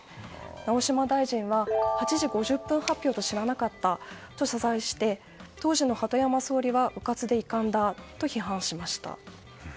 直嶋大臣は８時５０分発表と知らなかったと謝罪して当時の鳩山総理はうかつで遺憾だと批判しました。